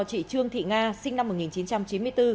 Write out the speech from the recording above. chị trương thị nga sinh năm một nghìn chín trăm chín mươi bốn